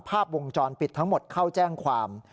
ภาพวงจรปิดทั้งหมดเข้าแจ้งความ